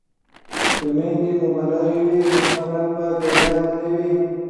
که میندې مبلغې وي نو خلک به بې لارې نه وي.